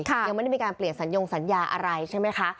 ยังไม่ได้มีการเปลี่ยนสัญญงสัญญาอะไรใช่ไหมคะ